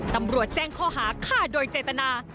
ตำรวจแจ้งข้อหาฆ่าโดยเจตนา